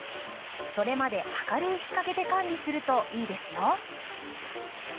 それまで明るい日陰で管理するといいですよ。